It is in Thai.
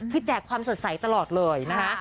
คือแจกความสดใสตลอดเลยนะคะ